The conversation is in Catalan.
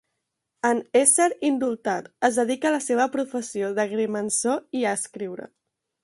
En ésser indultat, es dedica a la seva professió d'agrimensor i a escriure.